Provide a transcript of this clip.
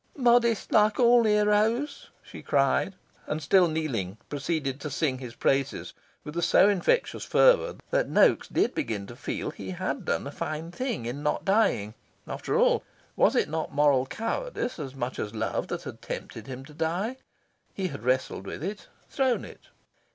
"Modest, like all heroes!" she cried, and, still kneeling, proceeded to sing his praises with a so infectious fervour that Noaks did begin to feel he had done a fine thing in not dying. After all, was it not moral cowardice as much as love that had tempted him to die? He had wrestled with it, thrown it.